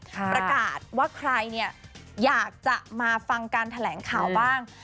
ประกาศว่าใครเนี่ยอยากจะมาฟังการแถลงข่าวบ้าง